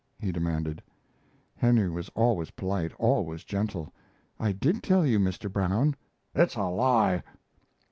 he demanded. Henry was always polite, always gentle. "I did tell you, Mr. Brown." "It's a lie."